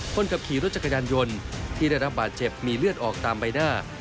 คนขับขี่รถจักรยานยนต์ที่ได้รับบาดเจ็บมีเลือดออกตามใบหน้า